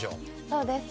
そうです。